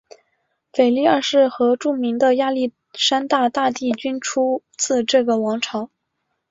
腓力二世和著名的亚历山大大帝均出自这个王朝。